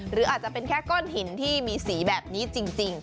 หรืออาจจะเป็นแค่ก้อนหินที่มีสีแบบนี้จริง